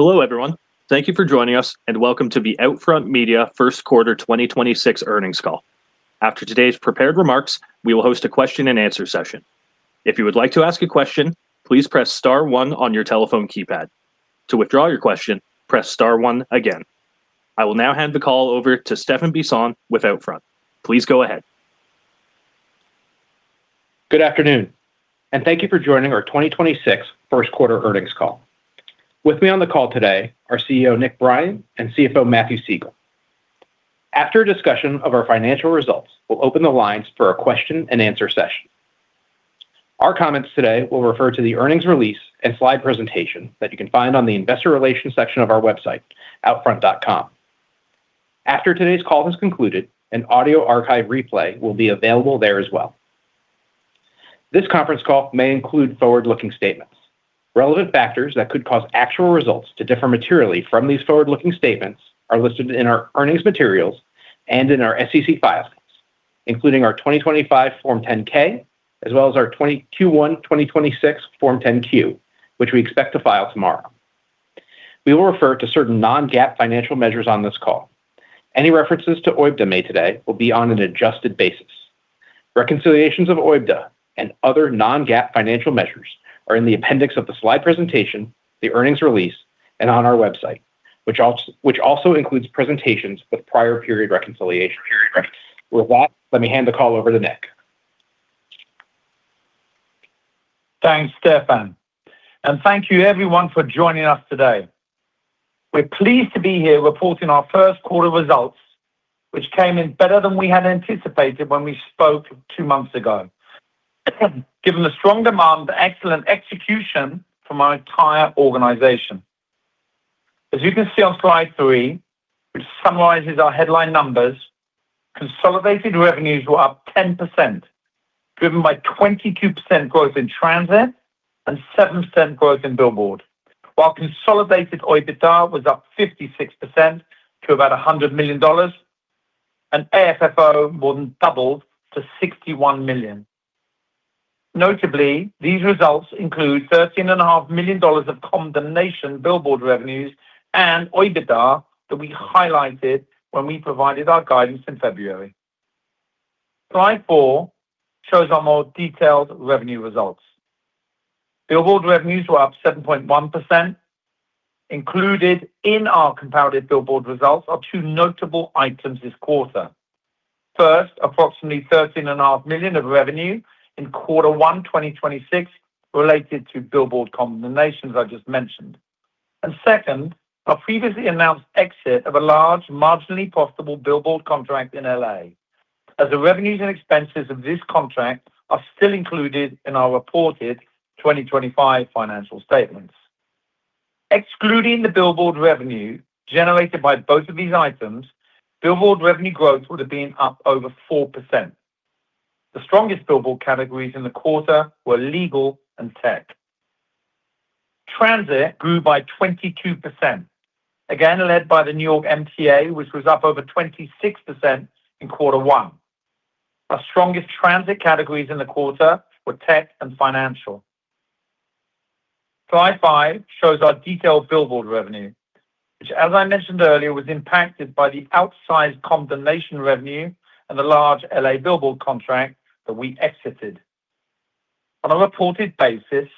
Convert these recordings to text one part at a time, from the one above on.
Hello, everyone. Thank you for joining us, and welcome to the OUTFRONT Media first quarter 2026 earnings call. After today's prepared remarks, we will host a question and answer session. I will now hand the call over to Stephan Bisson with OUTFRONT, please go ahead. Good afternoon, and thank you for joining our 2026 first quarter earnings call. With me on the call today are Chief Executive Officer Nick Brien and Chief Financial Officer Matthew Siegel. After a discussion of our financial results, we'll open the lines for a question-and-answer session. Our comments today will refer to the earnings release and slide presentation that you can find on the investor relations section of our website, outfront.com. After today's call has concluded, an audio archive replay will be available there as well. This conference call may include forward-looking statements. Relevant factors that could cause actual results to differ materially from these forward-looking statements are listed in our earnings materials and in our SEC filings, including our 2025 form 10-K as well as our Q1 2026 form 10-Q, which we expect to file tomorrow. We will refer to certain non-GAAP financial measures on this call. Any references to OIBDA made today will be on an adjusted basis. Reconciliations of OIBDA and other non-GAAP financial measures are in the appendix of the slide presentation, the earnings release, and on our website, which also includes presentations with prior period reconciliation. With that, let me hand the call over to Nick. Thanks, Stephan. Thank you everyone for joining us today. We're pleased to be here reporting our first quarter results, which came in better than we had anticipated when we spoke two months ago. Given the strong demand, excellent execution from our entire organization. As you can see on slide three, which summarizes our headline numbers, consolidated revenues were up 10%, driven by 22% growth in transit and 7% growth in billboard. Consolidated OIBDA was up 56% to about $100 million, and AFFO more than doubled to $61 million. Notably, these results include $13.5 million Of condemnation billboard revenues and OIBDA that we highlighted when we provided our guidance in February. Slide four shows our more detailed revenue results. Billboard revenues were up 7.1%. Included in our compounded billboard results are two notable items this quarter. First, approximately $13.5 million of revenue in quarter one 2026 related to billboard condemnations I just mentioned. Second, our previously announced exit of a large marginally possible billboard contract in L.A., as the revenues and expenses of this contract are still included in our reported 2025 financial statements. Excluding the billboard revenue generated by both of these items, billboard revenue growth would have been up over 4%. The strongest billboard categories in the quarter were legal and tech. Transit grew by 22%, again led by the New York MTA, which was up over 26% in quarter one. Our strongest transit categories in the quarter were tech and financial. Slide five shows our detailed billboard revenue, which as I mentioned earlier, was impacted by the outsized condemnation revenue and the large L.A. billboard contract that we exited. On a reported basis,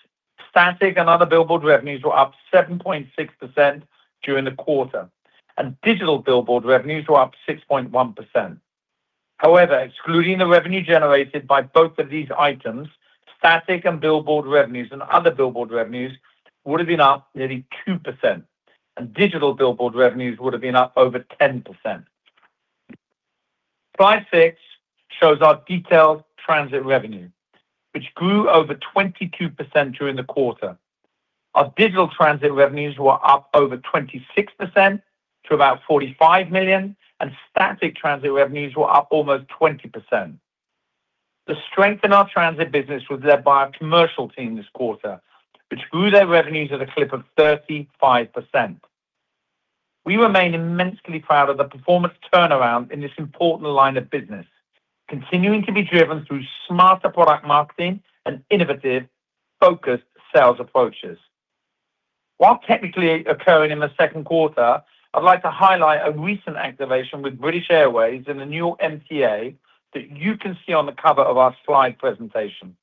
static and other billboard revenues were up 7.6% during the quarter, and digital billboard revenues were up 6.1%. However, excluding the revenue generated by both of these items, static and billboard revenues and other billboard revenues would have been up nearly 2%, and digital billboard revenues would have been up over 10%. Slide six shows our detailed transit revenue, which grew over 22% during the quarter. Our digital transit revenues were up over 26% to about $45 million, and static transit revenues were up almost 20%. The strength in our transit business was led by our commercial team this quarter, which grew their revenues at a clip of 35%. We remain immensely proud of the performance turnaround in this important line of business, continuing to be driven through smarter product marketing and innovative focused sales approaches. While technically occurring in the second quarter, I'd like to highlight a recent activation with British Airways in the New York MTA that you can see on the cover of our slide presentation.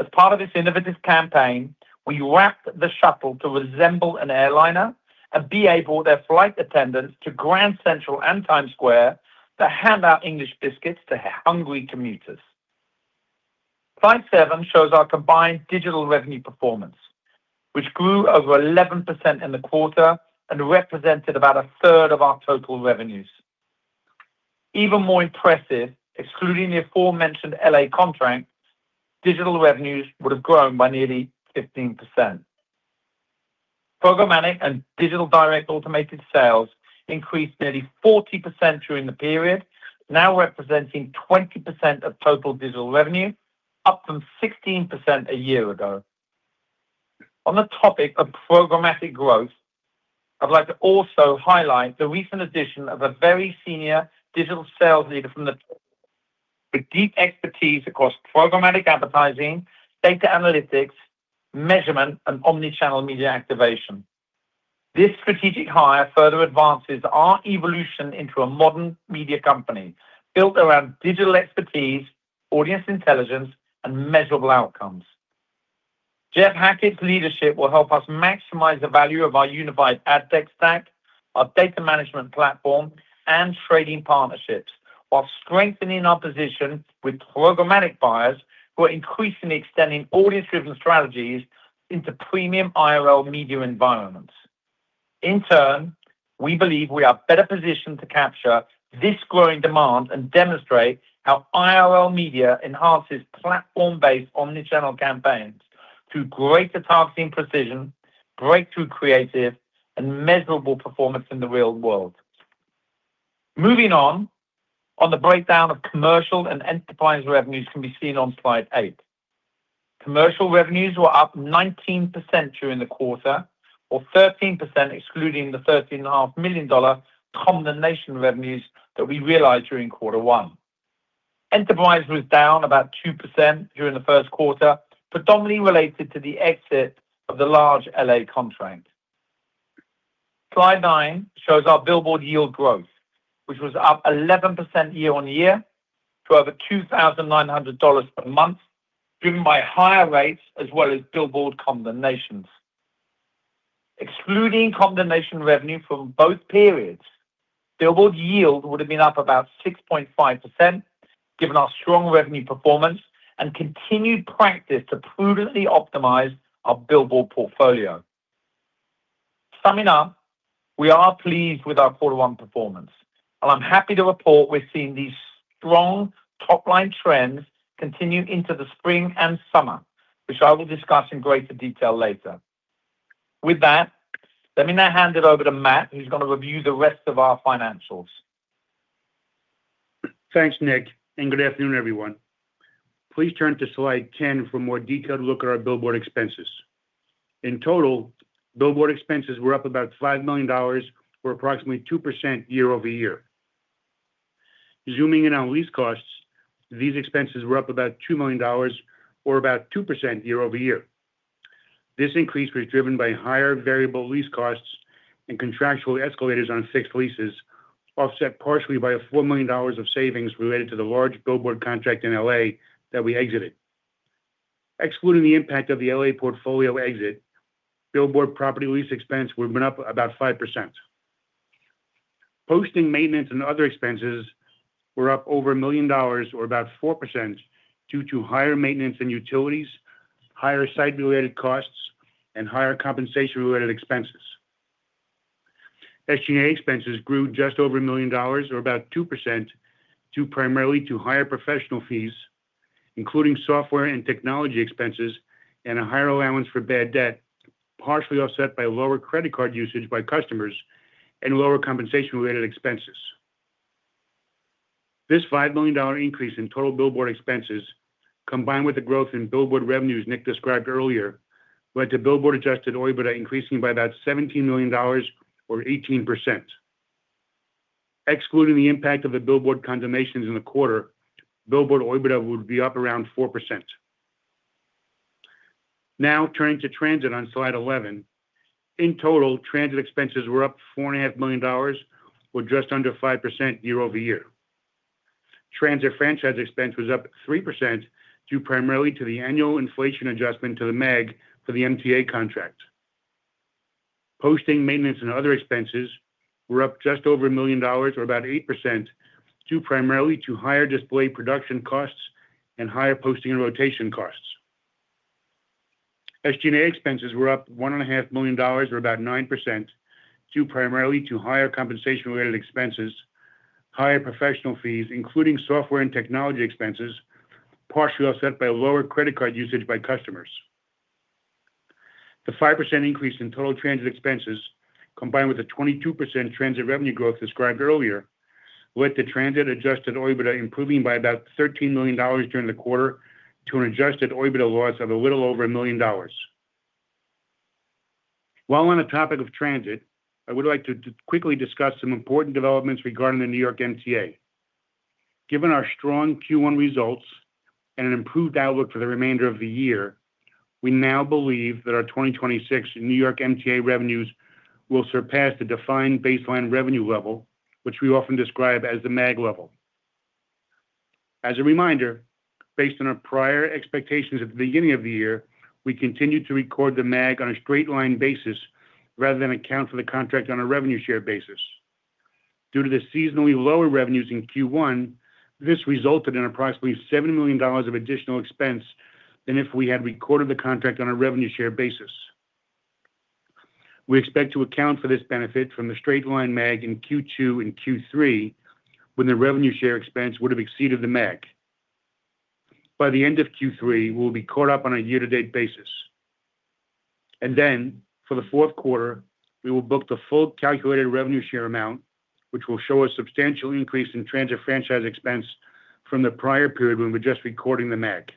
As part of this innovative campaign, we wrapped the shuttle to resemble an airliner and be able their flight attendants to Grand Central and Times Square to hand out English biscuits to hungry commuters. Slide seven shows our combined digital revenue performance, which grew over 11% in the quarter and represented about a 1/3 of our total revenues. Even more impressive, excluding the aforementioned L.A. contract, digital revenues would have grown by nearly 15%. Programmatic and digital direct automated sales increased nearly 40% during the period, now representing 20% of total digital revenue, up from 16% a year ago. On the topic of programmatic growth, I'd like to also highlight the recent addition of a very senior digital sales leader with deep expertise across programmatic advertising, data analytics, measurement, and omni-channel media activation. This strategic hire further advances our evolution into a modern media company built around digital expertise, audience intelligence, and measurable outcomes. Jeff Hackett's leadership will help us maximize the value of our unified ad tech stack, our data management platform, and trading partnerships, while strengthening our position with programmatic buyers who are increasingly extending audience-driven strategies into premium IRL Media environments. In turn, we believe we are better positioned to capture this growing demand and demonstrate how IRL Media enhances platform-based omni-channel campaigns through greater targeting precision, breakthrough creative, and measurable performance in the real world. Moving on the breakdown of commercial and enterprise revenues can be seen on Slide eight. Commercial revenues were up 19% during the quarter, or 13% excluding the $13.5 million Condemnation revenues that we realized during quarter one. Enterprise was down about 2% during the first quarter, predominantly related to the exit of the large L.A. contract. Slide nine shows our billboard yield growth, which was up 11% year-on-year to over $2,900 per month, driven by higher rates as well as billboard condemnations. Excluding condemnation revenue from both periods, billboard yield would have been up about 6.5%, given our strong revenue performance and continued practice to prudently optimize our billboard portfolio. Summing up, we are pleased with our quarter one performance, and I'm happy to report we're seeing these strong top-line trends continue into the spring and summer, which I will discuss in greater detail later. With that, let me now hand it over to Matt, who's going to review the rest of our financials. Thanks, Nick, and good afternoon, everyone. Please turn to slide 10 for a more detailed look at our billboard expenses. In total, billboard expenses were up about $5 million, or approximately 2% year-over-year. Zooming in on lease costs, these expenses were up about $2 million, or about 2% year-over-year. This increase was driven by higher variable lease costs and contractual escalators on fixed leases, offset partially by $4 million of savings related to the large billboard contract in L.A. that we exited. Excluding the impact of the L.A. portfolio exit, billboard property lease expense would have been up about 5%. Posting, maintenance and other expenses were up over $1 million, or about 4%, due to higher maintenance and utilities, higher site-related costs, and higher compensation-related expenses. SG&A expenses grew just over $1 million, or about 2%, due primarily to higher professional fees, including software and technology expenses, and a higher allowance for bad debt, partially offset by lower credit card usage by customers and lower compensation-related expenses. This $5 million increase in total billboard expenses, combined with the growth in billboard revenues Nick described earlier, led to billboard adjusted OIBDA increasing by about $17 million, or 18%. Excluding the impact of the billboard condemnations in the quarter, billboard OIBDA would be up around 4%. Turning to transit on slide 11. In total, transit expenses were up $4.5 million, or just under 5% year-over-year. Transit franchise expense was up 3%, due primarily to the annual inflation adjustment to the MAG for the MTA contract. Posting maintenance and other expenses were up just over $1 million, or about 8%, due primarily to higher display production costs and higher posting and rotation costs. SG&A expenses were up $1.5 million, or about 9%, due primarily to higher compensation-related expenses, higher professional fees, including software and technology expenses, partially offset by lower credit card usage by customers. The 5% increase in total transit expenses, combined with the 22% transit revenue growth described earlier, led to transit adjusted OIBDA improving by about $13 million during the quarter to an adjusted OIBDA loss of a little over $1 million. While on the topic of transit, I would like to quickly discuss some important developments regarding the New York MTA. Given our strong Q1 results and an improved outlook for the remainder of the year, we now believe that our 2026 New York MTA revenues will surpass the defined baseline revenue level, which we often describe as the MAG level. As a reminder, based on our prior expectations at the beginning of the year, we continued to record the MAG on a straight line basis rather than account for the contract on a revenue share basis. Due to the seasonally lower revenues in Q1, this resulted in approximately $7 million of additional expense than if we had recorded the contract on a revenue share basis. We expect to account for this benefit from the straight line MAG in Q2 and Q3 when the revenue share expense would have exceeded the MAG. By the end of Q3, we will be caught up on a year-to-date basis. For the fourth quarter, we will book the full calculated revenue share amount, which will show a substantial increase in transit franchise expense from the prior period when we're just recording the MAG.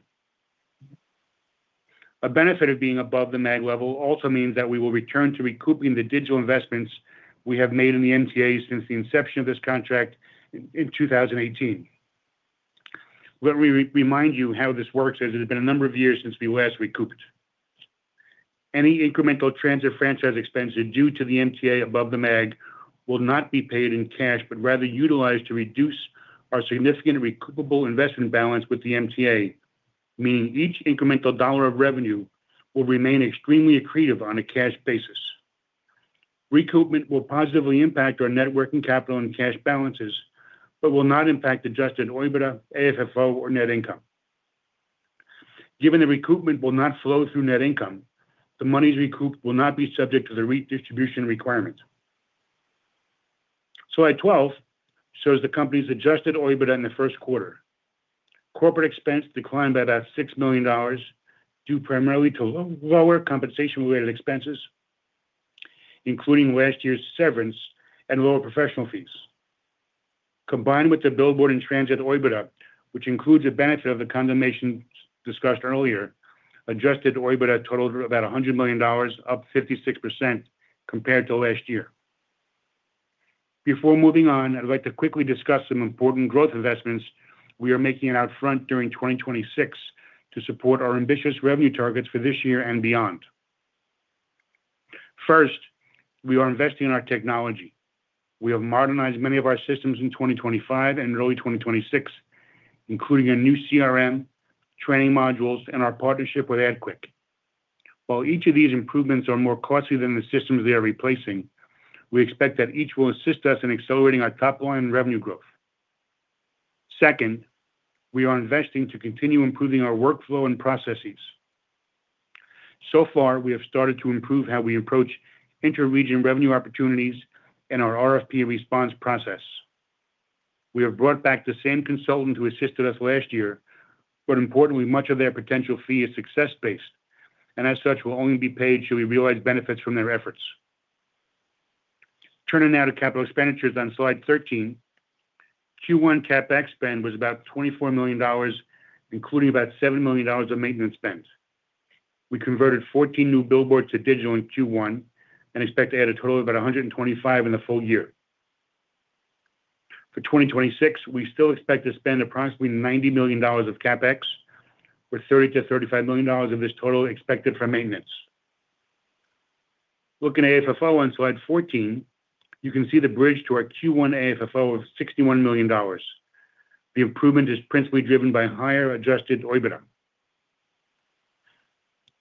A benefit of being above the MAG level also means that we will return to recouping the digital investments we have made in the MTA since the inception of this contract in 2018. Let me remind you how this works, as it has been a number of years since we last recouped. Any incremental transit franchise expenses due to the MTA above the MAG will not be paid in cash, but rather utilized to reduce our significant recoupable investment balance with the MTA, meaning each incremental $1 of revenue will remain extremely accretive on a cash basis. Recoupment will positively impact our net working capital and cash balances, but will not impact adjusted OIBDA, AFFO or net income. Given the recoupment will not flow through net income, the monies recouped will not be subject to the redistribution requirements. Slide 12 shows the company's adjusted OIBDA in the first quarter. Corporate expense declined by about $6 million, due primarily to lower compensation-related expenses, including last year's severance and lower professional fees. Combined with the billboard and transit OIBDA, which includes a benefit of the condemnation discussed earlier, adjusted OIBDA totaled about $100 million, up 56% compared to last year. Before moving on, I'd like to quickly discuss some important growth investments we are making at OUTFRONT during 2026 to support our ambitious revenue targets for this year and beyond. First, we are investing in our technology. We have modernized many of our systems in 2025 and early 2026, including a new CRM, training modules and our partnership with AdQuick. While each of these improvements are more costly than the systems they are replacing, we expect that each will assist us in accelerating our top line revenue growth. Second, we are investing to continue improving our workflow and processes. So far, we have started to improve how we approach inter-region revenue opportunities and our RFP response process. We have brought back the same consultant who assisted us last year, but importantly, much of their potential fee is success-based, and as such, will only be paid should we realize benefits from their efforts. Turning now to capital expenditures on slide 13. Q1 CapEx spend was about $24 million, including about $7 million of maintenance spend. We converted 14 new billboards to digital in Q1 and expect to add a total of about 125 in the full year. For 2026, we still expect to spend approximately $90 million of CapEx, with $30 million-$35 million of this total expected for maintenance. Looking at AFFO on slide 14, you can see the bridge to our Q1 AFFO of $61 million. The improvement is principally driven by higher adjusted OIBDA.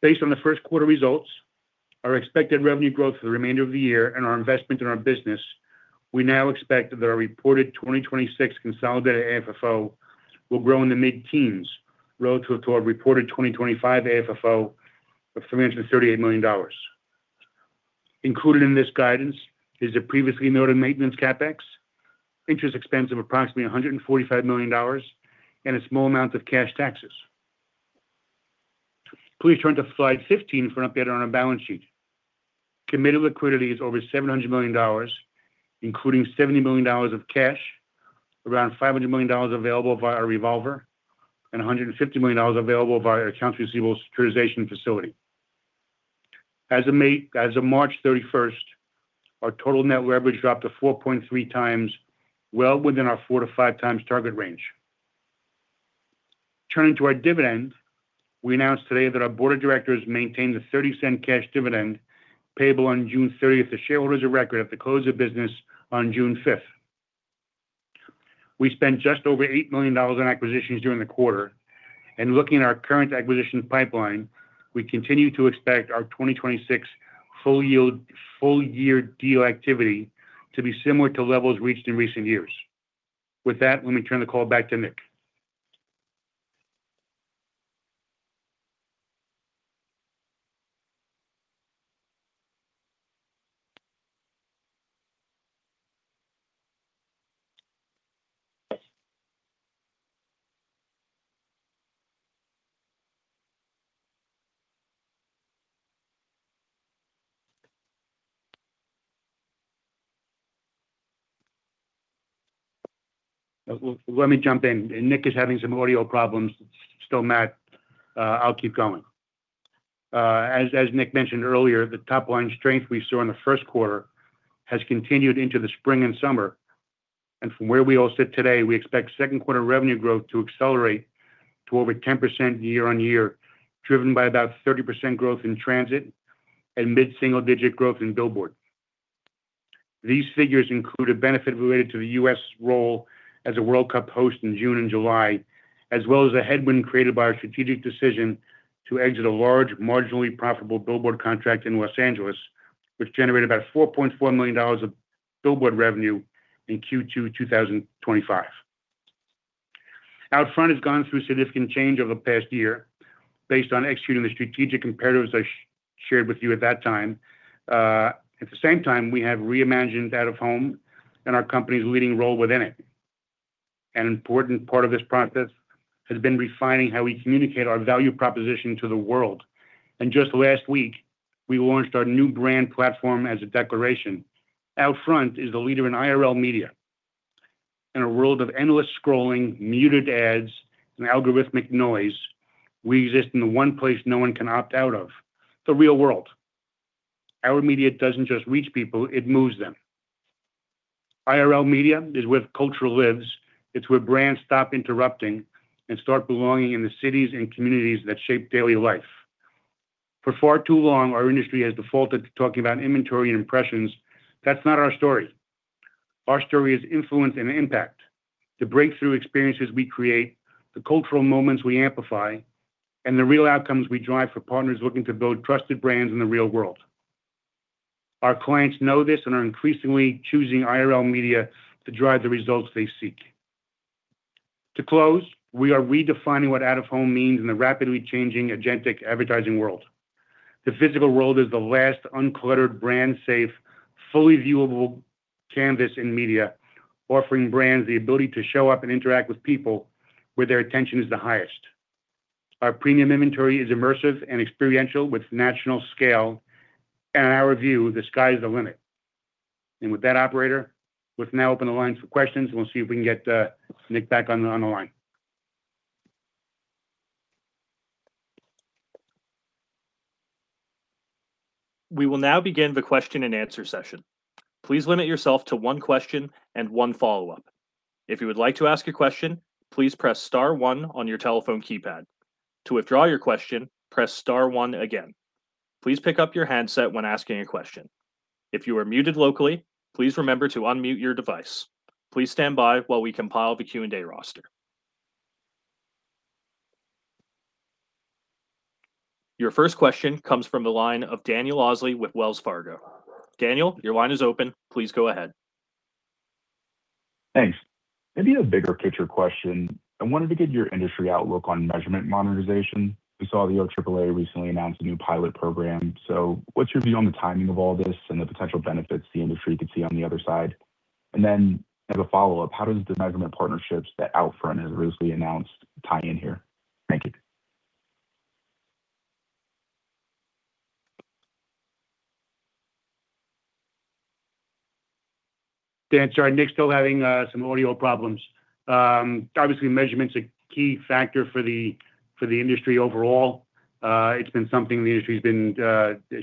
Based on the first quarter results, our expected revenue growth for the remainder of the year and our investment in our business, we now expect that our reported 2026 consolidated AFFO will grow in the mid-teens relative to our reported 2025 AFFO of $338 million. Included in this guidance is the previously noted maintenance CapEx, interest expense of approximately $145 million and a small amount of cash taxes. Please turn to slide 15 for an update on our balance sheet. Committed liquidity is over $700 million, including $70 million of cash, around $500 million available via our revolver and $150 million available via our accounts receivable securitization facility. As of March 31st, our total net leverage dropped to 4.3x, well within our 4x-5x target range. Turning to our dividend, we announced today that our board of directors maintained a $0.30 cash dividend payable on June 30th to shareholders of record at the close of business on June 5th. We spent just over $8 million in acquisitions during the quarter. Looking at our current acquisitions pipeline, we continue to expect our 2026 full-year deal activity to be similar to levels reached in recent years. With that, let me turn the call back to Nick. Well, let me jump in. Nick is having some audio problems. Matt, I'll keep going. As Nick mentioned earlier, the top line strength we saw in the first quarter has continued into the spring and summer. From where we all sit today, we expect second quarter revenue growth to accelerate to over 10% year-over-year, driven by about 30% growth in transit and mid-single-digit growth in billboard. These figures include a benefit related to the U.S. role as a World Cup host in June and July, as well as a headwind created by our strategic decision to exit a large marginally profitable billboard contract in Los Angeles, which generated about $4.4 million of billboard revenue in Q2 2025. OUTFRONT has gone through significant change over the past year based on executing the strategic imperatives I shared with you at that time. At the same time, we have reimagined out of home and our company's leading role within it. An important part of this process has been refining how we communicate our value proposition to the world. Just last week, we launched our new brand platform as a declaration. OUTFRONT is the leader in IRL Media. In a world of endless scrolling, muted ads, and algorithmic noise, we exist in the one place no one can opt out of, the real world. Our media doesn't just reach people, it moves them. IRL Media is where culture lives. It's where brands stop interrupting and start belonging in the cities and communities that shape daily life. For far too long, our industry has defaulted to talking about inventory and impressions. That's not our story. Our story is influence and impact, the breakthrough experiences we create, the cultural moments we amplify, and the real outcomes we drive for partners looking to build trusted brands in the real world. Our clients know this and are increasingly choosing IRL Media to drive the results they seek. To close, we are redefining what out-of-home means in the rapidly changing agentic advertising world. The physical world is the last uncluttered, brand-safe, fully viewable canvas in media, offering brands the ability to show up and interact with people where their attention is the highest. Our premium inventory is immersive and experiential with national scale. In our view, the sky's the limit. With that, Operator, let's now open the lines for questions, and we'll see if we can get Nick back on the line. We will now begin the question-and-answer session. Please limit yourself to one question and one follow-up. If you would like to ask a question, please press star one on your telephone keypad. To withdraw your question, press star one again. Please pick up your handset when asking a question. If you are muted locally, please remember to unmute your device. Your first question comes from the line of Daniel Osley with Wells Fargo. Daniel, your line is open, please go ahead. Thanks. Maybe a bigger picture question. I wanted to get your industry outlook on measurement monetization. We saw the OAAA recently announced a new pilot program. What's your view on the timing of all this and the potential benefits the industry could see on the other side? As a follow-up, how does the measurement partnerships that OUTFRONT has recently announced tie in here? Thank you. Dan, sorry, Nick's still having some audio problems. Obviously, measurement's a key factor for the industry overall. It's been something the industry's been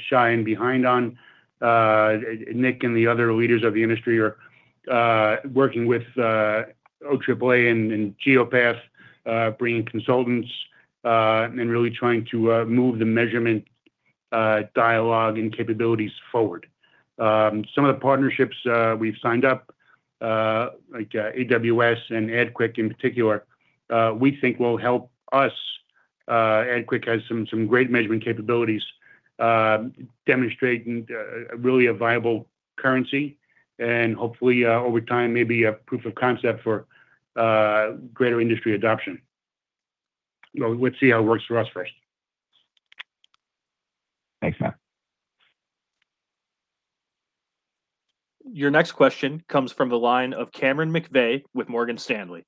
shy and behind on. Nick and the other leaders of the industry are working with OAAA and Geopath, bringing consultants, and really trying to move the measurement dialogue and capabilities forward. Some of the partnerships we've signed up, like AWS and AdQuick in particular, we think will help us. AdQuick has some great measurement capabilities, demonstrating really a viable currency and hopefully, over time, maybe a proof of concept for greater industry adoption. Well, we'll see how it works for us first. Thanks, Matt. Your next question comes from the line of Cameron McVeigh with Morgan Stanley.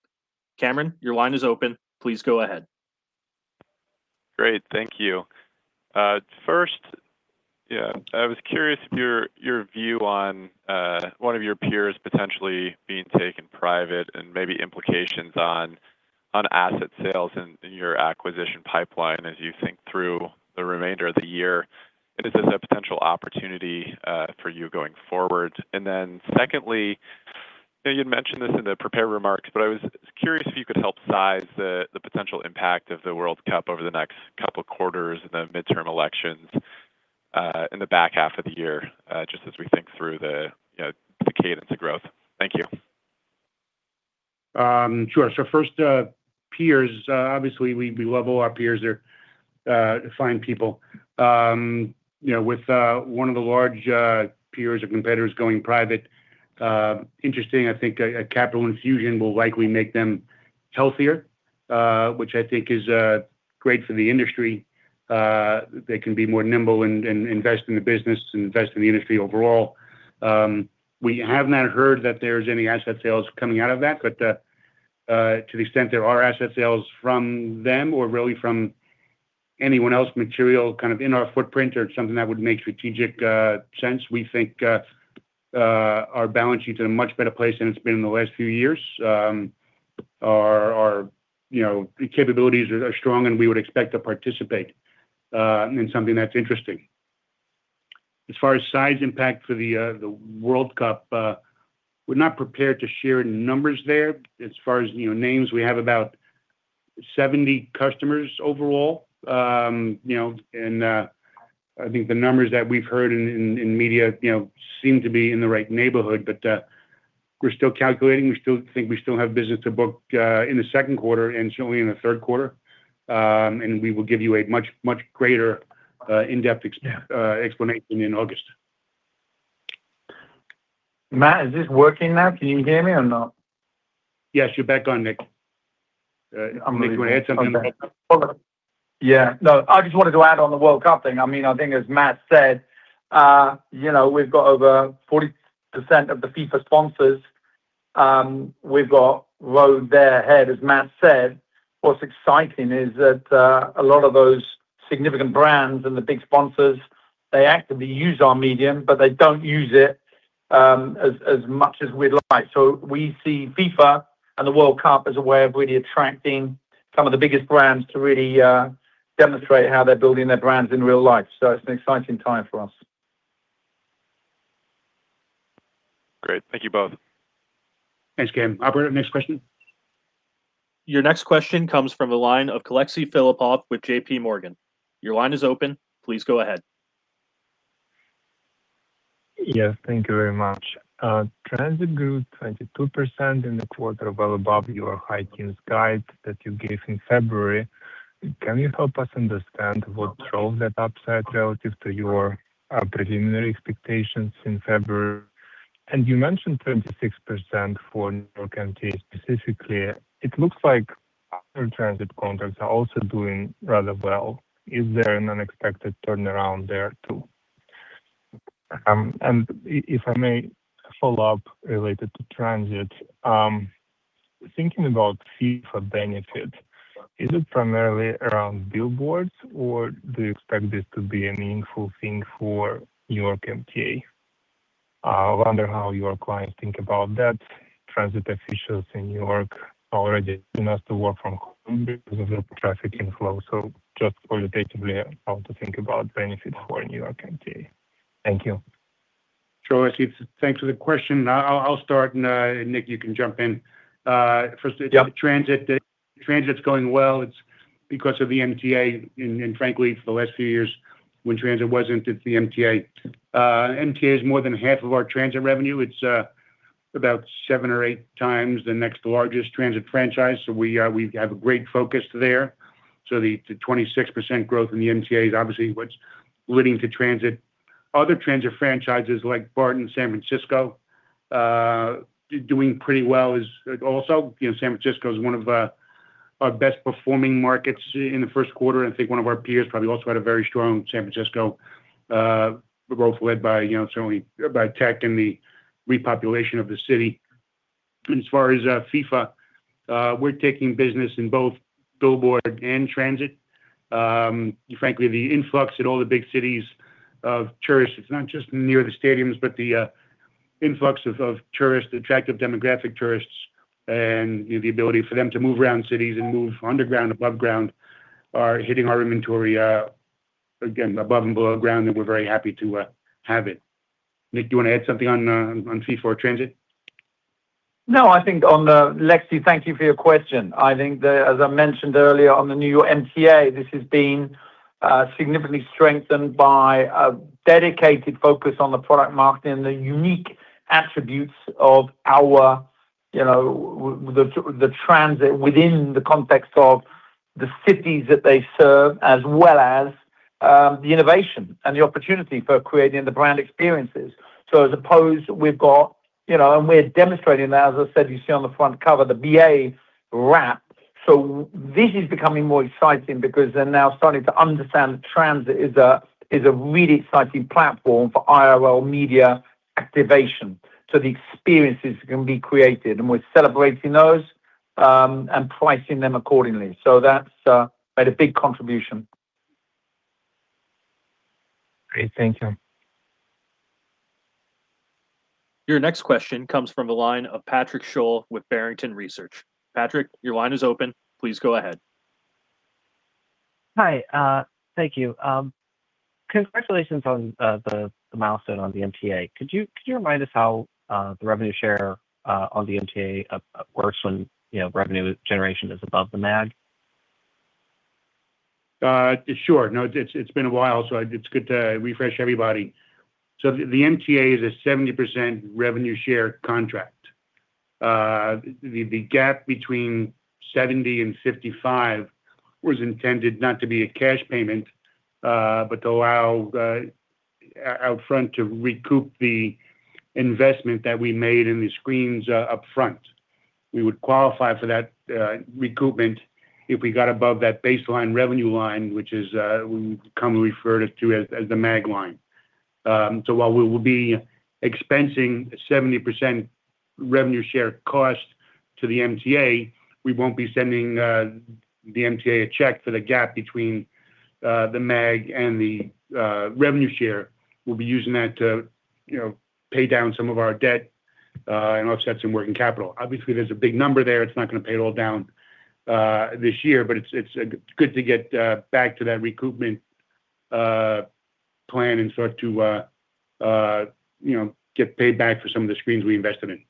Cameron, your line is open, please go ahead. Great. Thank you. First, I was curious of your view on one of your peers potentially being taken private and maybe implications on asset sales in your acquisition pipeline as you think through the remainder of the year. Is this a potential opportunity for you going forward? Secondly, I know you'd mentioned this in the prepared remarks, but I was curious if you could help size the potential impact of the World Cup over the next couple of quarters and the midterm elections in the back half of the year, just as we think through the cadence of growth. Thank you. First, peers, obviously, we love all our peers. They're fine people. With one of the large peers or competitors going private, interesting. I think a capital infusion will likely make them healthier, which I think is great for the industry. They can be more nimble and invest in the business and invest in the industry overall. We have not heard that there's any asset sales coming out of that. To the extent there are asset sales from them or really from anyone else material kind of in our footprint or something that would make strategic sense, we think our balance sheet's in a much better place than it's been in the last few years. Our, you know, capabilities are strong, and we would expect to participate in something that's interesting. As far as size impact for the World Cup, we're not prepared to share numbers there. As far as, you know, names, we have about 70 customers overall. You know, and I think the numbers that we've heard in media, you know, seem to be in the right neighborhood. But we're still calculating. We still think we still have business to book in the second quarter and certainly in the third quarter. We will give you a much, much greater in-depth explanation in August. Matt, is this working now? Can you hear me or not? Yes, you're back on, Nick. Nick, you want to add something? Yeah. No, I just wanted to add on the World Cup thing. I mean, I think as Matt said, you know, we've got over 40% of the FIFA sponsors. We've got road there ahead. As Matt said, what's exciting is that a lot of those significant brands and the big sponsors. They actively use our medium, they don't use it as much as we'd like. We see FIFA and the World Cup as a way of really attracting some of the biggest brands to really demonstrate how they're building their brands in real life. It's an exciting time for us. Great. Thank you both. Thanks, Cam. Operator, next question. Your next question comes from the line of Alexey Philippov with JPMorgan, your line is open, please go ahead. Yes, thank you very much. Transit grew 22% in the quarter, well above your high teens guide that you gave in February. Can you help us understand what drove that upside relative to your preliminary expectations in February? You mentioned 26% for New York MTA specifically. It looks like other transit contracts are also doing rather well. Is there an unexpected turnaround there, too? If I may follow up related to transit, thinking about FIFA benefit, is it primarily around billboards, or do you expect this to be a meaningful thing for New York MTA? I wonder how your clients think about that. Transit officials in New York already announced to work from home because of the traffic inflow. Just qualitatively, how to think about benefit for New York MTA. Thank you. Sure, Alexey. Thanks for the question. I'll start and Nick, you can jump in. Transit's going well. It's because of the MTA, and frankly, for the last few years, when transit wasn't, it's the MTA. MTA is more than half of our transit revenue. It's about seven or eight times the next largest transit franchise. We have a great focus there. The 26% growth in the MTA is obviously what's leading to transit. Other transit franchises like BART in San Francisco, doing pretty well is also You know, San Francisco is one of our best-performing markets in the first quarter. I think one of our peers probably also had a very strong San Francisco growth led by, you know, certainly by tech and the repopulation of the city. As far as FIFA, we're taking business in both billboard and transit. Frankly, the influx in all the big cities of tourists, it's not just near the stadiums, but the influx of tourists, attractive demographic tourists, and the ability for them to move around cities and move underground, above ground are hitting our inventory, again, above and below ground, and we're very happy to have it. Nick, do you want to add something on FIFA transit? I think on the Alexey, thank you for your question. I think the, as I mentioned earlier on the New York MTA, this has been significantly strengthened by a dedicated focus on the product marketing and the unique attributes of our, you know, the transit within the context of the cities that they serve, as well as the innovation and the opportunity for creating the brand experiences. As opposed, we've got, you know, and we're demonstrating that, as I said, you see on the front cover, the BA wrap. This is becoming more exciting because they're now starting to understand transit is a really exciting platform for IRL Media activation. The experiences can be created, and we're celebrating those and pricing them accordingly. That's made a big contribution. Great. Thank you. Your next question comes from the line of Patrick Sholl with Barrington Research. Patrick, your line is open, please go ahead. Hi. Thank you. Congratulations on the milestone on the MTA. Could you remind us how the revenue share on the MTA works when, you know, revenue generation is above the MAG? It's, it's been a while, so it's good to refresh everybody. The MTA is a 70% revenue share contract. The gap between 70% and 55% was intended not to be a cash payment, but to allow OUTFRONT to recoup the investment that we made in the screens upfront. We would qualify for that recoupment if we got above that baseline revenue line, which is we commonly refer to as the MAG line. While we will be expensing 70% revenue share cost to the MTA, we won't be sending the MTA a check for the gap between the MAG and the revenue share. We'll be using that to, you know, pay down some of our debt and offset some working capital. Obviously, there's a big number there. It's not gonna pay it all down, this year, but it's good to get back to that recoupment plan and start to, you know, get paid back for some of the screens we invested in.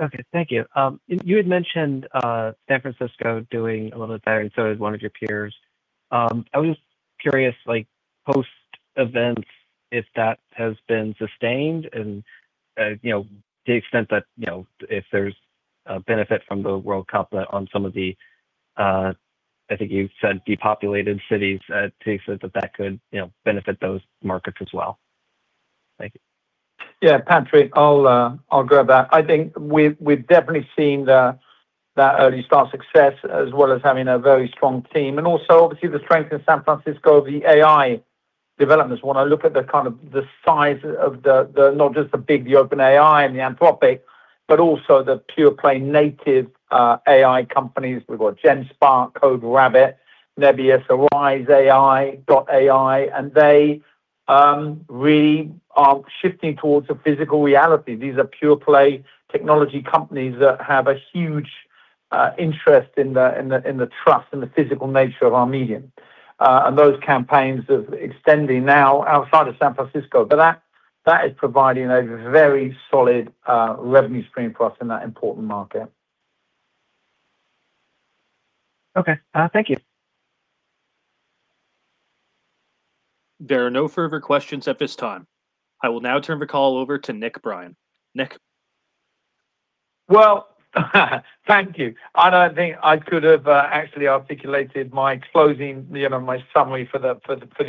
Okay. Thank you. You had mentioned San Francisco doing a little bit better, and so did one of your peers. I was curious, like post-event, if that has been sustained and, you know, the extent that, you know, if there's a benefit from the World Cup on some of the, I think you said depopulated cities, to the extent that that could, you know, benefit those markets as well. Thank you. Yeah, Patrick, I'll grab that. I think we've definitely seen the, that early start success as well as having a very strong team and also obviously the strength in San Francisco, the AI developments. When I look at the kind of the size of the, not just the big, the OpenAI and the Anthropic, but also the pure play native AI companies. We've got Genspark, CodeRabbit, Nebius, Arize AI, Dot Ai, and they really are shifting towards a physical reality. These are pure play technology companies that have a huge interest in the, in the, in the trust and the physical nature of our medium. Those campaigns are extending now outside of San Francisco. That, that is providing a very solid revenue stream for us in that important market. Okay. Thank you. There are no further questions at this time. I will now turn the call over to Nick Brien. Nick? Well, thank you. I don't think I could have actually articulated my closing, you know, my summary for the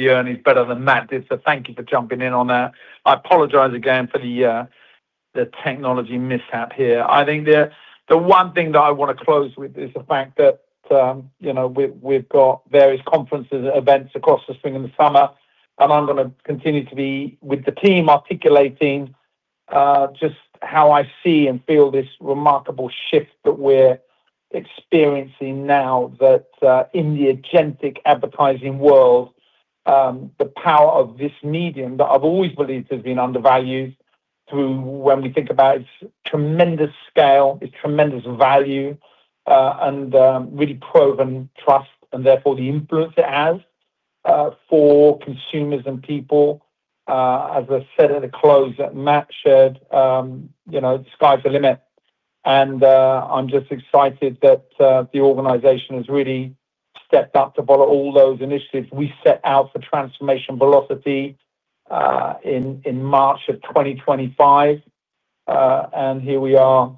earnings better than Matt did, so thank you for jumping in on that. I apologize again for the technology mishap here. I think the one thing that I wanna close with is the fact that, you know, we've got various conferences, events across the spring and the summer, and I'm gonna continue to be with the team articulating just how I see and feel this remarkable shift that we're experiencing now that in the agentic advertising world, the power of this medium that I've always believed has been undervalued through when we think about its tremendous scale, its tremendous value, and really proven trust and therefore the influence it has for consumers and people. As I said at the close that Matt shared, you know, the sky's the limit. I'm just excited that the organization has really stepped up to follow all those initiatives. We set out for transformation velocity in March of 2025, and here we are,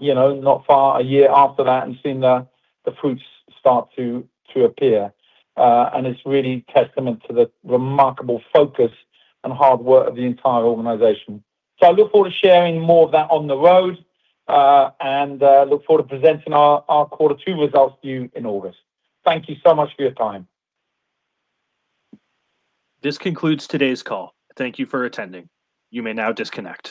you know, not far a year after that and seeing the fruits start to appear. It's really testament to the remarkable focus and hard work of the entire organization. I look forward to sharing more of that on the road, and look forward to presenting our quarter two results to you in August. Thank you so much for your time. This concludes today's call. Thank you for attending, you may now disconnect.